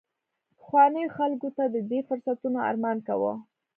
پخوانیو خلکو د دې فرصتونو ارمان کاوه